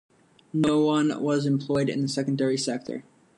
No one was employed in the secondary sector.